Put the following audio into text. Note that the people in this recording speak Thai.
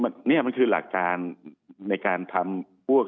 นี่มันคือหลักการในการทำพวก